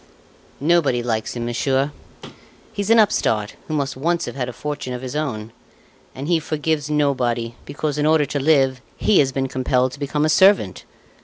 "Nobody likes him, monsieur. He's an upstart who must once have had a fortune of his own; and he forgives nobody because, in order to live, he has been compelled to become a servant.